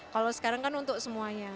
kalau sekarang kan untuk semuanya